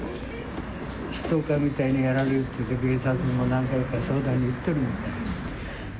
ストーカーみたいにやられるって、警察にも何回か相談に行ってるみたいやし。